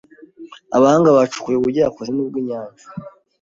abahanga bacukuye ubujyakuzimu bwinyanja